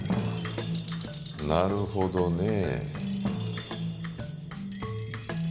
なるほどねえ